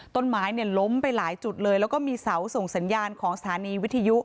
ต้นไม้เนี่ยล้มไปหลายจุดเลยแล้วก็มีเสาส่งสัญญาณของสถานีวิทยุ